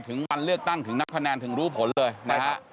ถึงวันเลือกตั้งถึงนับคะแนนถึงรู้ผลเลยนะฮะ